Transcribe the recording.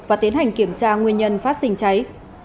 và tiến hành kiểm tra nguyên nhân phát sinh cháy